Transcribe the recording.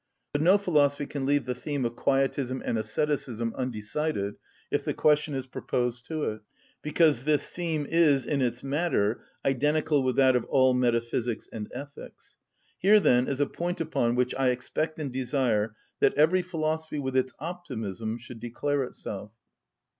But no philosophy can leave the theme of quietism and asceticism undecided if the question is proposed to it; because this theme is, in its matter, identical with that of all metaphysics and ethics. Here then is a point upon which I expect and desire that every philosophy, with its optimism, should declare itself.